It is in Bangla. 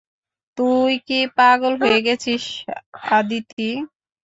তুই কি পাগল হয়ে গেছিস, আদিতি?